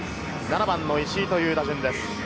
７番の石井という打順です。